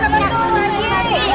betul pak haji